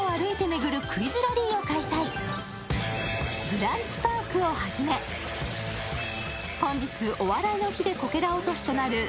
ブランチパークをはじめ、本日「お笑いの日」でこけら落としとなるＢＬＩＴＺ